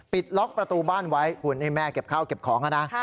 ล็อกประตูบ้านไว้คุณนี่แม่เก็บข้าวเก็บของนะ